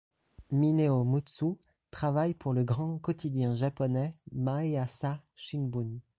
Mineo Mutsu travaille pour le grand quotidien japonais Maiasa Shinbun.